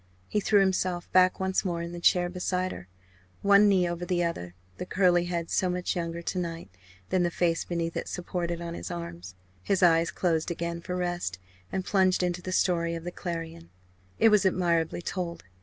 He threw himself back once more in the chair beside her one knee over the other, the curly head so much younger to night than the face beneath it supported on his arms, his eyes closed again for rest and plunged into the story of the Clarion. It was admirably told.